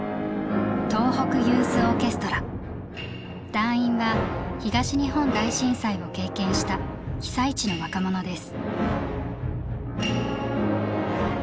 団員は東日本大震災を経験した被災地の若者です。